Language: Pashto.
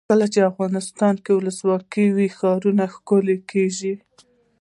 کله چې افغانستان کې ولسواکي وي ښارونه ښکلي کیږي.